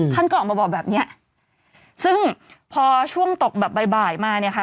ท่านก็ออกมาบอกแบบเนี้ยซึ่งพอช่วงตกแบบบ่ายบ่ายมาเนี่ยค่ะ